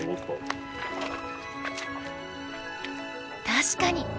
確かに。